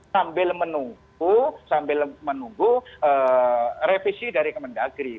sambil menunggu sambil menunggu revisi dari kemendagri